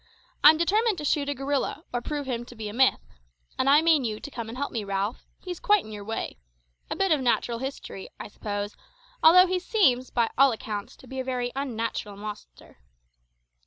I'm determined to shoot a gorilla, or prove him to be a myth. And I mean you to come and help me, Ralph; he's quite in your way. A bit of natural history, I suppose, although he seems by all accounts to be a very unnatural monster.